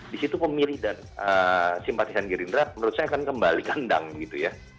di situ pemilih dan simpatisan gerindra menurut saya akan kembali kandang gitu ya